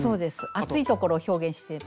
あついところを表現してて。